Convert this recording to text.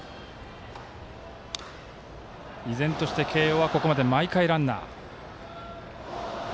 依然として慶応はここまで毎回ランナー。